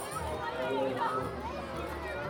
Esta agua debe ser extremadamente pura.